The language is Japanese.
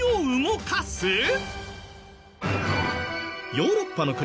ヨーロッパの国